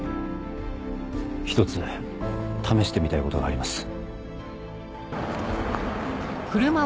一つ試してみたいことがあります。